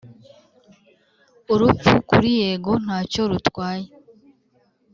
urupfu kuri yego ntacyo rutwaye